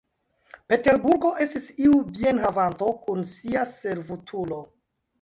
Peterburgo estis iu bienhavanto kun sia servutulo.